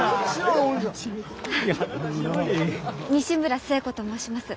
西村寿恵子と申します。